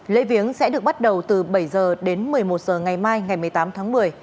lễ viếng sẽ được bắt đầu từ bảy h đến một mươi một h ngày mai ngày một mươi tám tháng một mươi